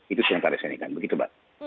itu sementara ini kan begitu mbak